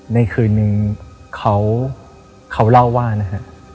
ในคืนนึงเขาเล่าว่านะฮะ